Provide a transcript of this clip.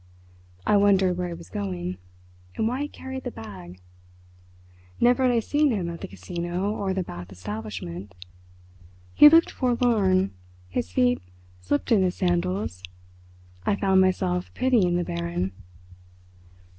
I wondered where he was going, and why he carried the bag. Never had I seen him at the Casino or the Bath Establishment. He looked forlorn, his feet slipped in his sandals. I found myself pitying the Baron.